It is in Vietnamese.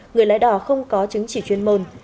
người lái đỏ không có chứng chỉ chuyên môn